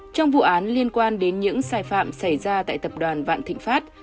trong vụ án liên quan đến những sai phạm xảy ra tại tập đoàn vạn thịnh pháp